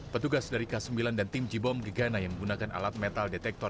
petugas dari k sembilan dan tim j bom gegana yang menggunakan alat metal detektor